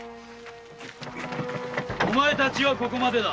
お前たちはここまでだ。